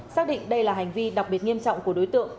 xác định đây là hành vi đặc biệt nghiêm trọng của đối tượng